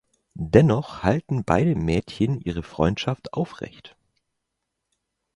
Dennoch halten beide Mädchen ihre Freundschaft aufrecht.